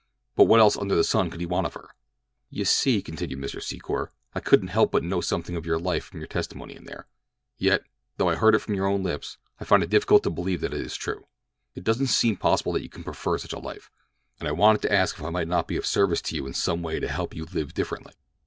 But what else under the sun could he want of her? "You see," continued Mr. Secor, "I couldn't help but know something of your life from your testimony in there; yet, even though I heard it from your own lips, I find it difficult to believe that it is true—it doesn't seem possible that you could prefer such a life; and I wanted to ask if I might not be of service to you in some way to help you to live differently."